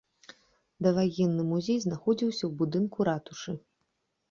Даваенны музей знаходзіўся ў будынку ратушы.